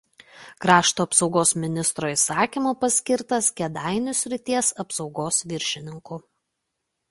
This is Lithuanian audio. Krašto apsaugos ministro įsakymu paskirtas Kėdainių srities apsaugos viršininku.